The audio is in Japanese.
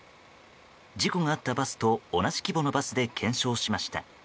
事故があったバスと同じ規模のバスで検証しました。